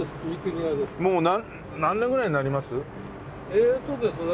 ええとですね